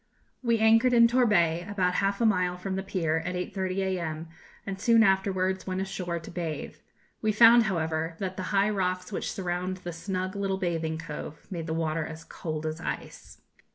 We anchored in Torbay, about half a mile from the pier, at 8.30 a.m., and soon afterwards went ashore to bathe. We found, however, that the high rocks which surround the snug little bathing cove made the water as cold as ice.